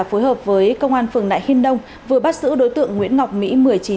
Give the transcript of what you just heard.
phối hợp với công an phường nại hiên đông vừa bắt giữ đối tượng nguyễn ngọc mỹ